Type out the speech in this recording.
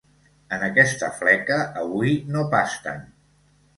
En aquesta fleca avui no pasten.